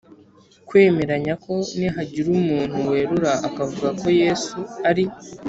kwemeranya ko nihagira umuntu werura akavuga ko Yesu ari